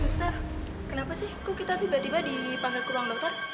suster kenapa sih kok kita tiba tiba dipanggil ke ruang dokter